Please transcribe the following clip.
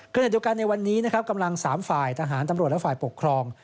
ขณะเดียวกันในวันนี้นะครับกำลัง๓ฝ่ายทหารตำรวจและฝ่ายปกครอง